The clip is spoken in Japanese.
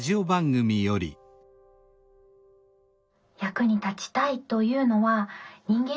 役に立ちたいというのは人間